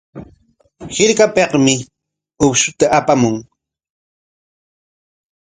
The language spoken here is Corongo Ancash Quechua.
Hirkapikmi uqshta apamun.